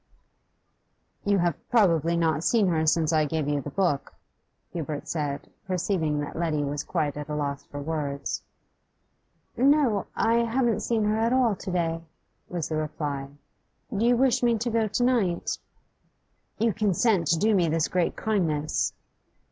'You have probably not seen her since I gave you the book?' Hubert said, perceiving that Letty was quite at a loss for words. 'No, I haven't seen her at all to day,' was the reply. 'Do you wish me to go to night?' 'You consent to do me this great kindness?